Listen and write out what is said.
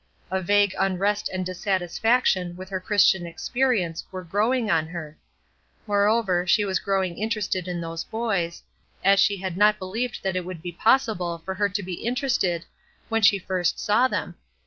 A vague unrest and dissatisfaction with her Christian experience were growing on her. Moreover, she was growing interested in those boys, as she had not believed that it would be possible for her to be interested when she first saw them.